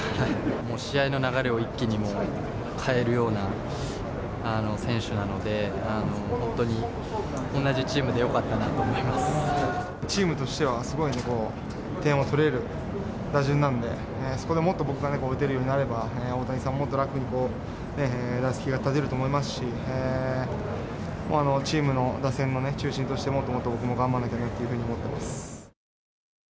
もう、試合の流れを一気に変えるような選手なので、本当に同じチームでチームとしてはすごい点を取れる打順なんで、そこでもっと僕が打てるようになれば、大谷さん、もっと楽に打席に立てると思いますし、チームの打線の中心として、もっともっと僕も頑張らなきゃというふうに思ってます。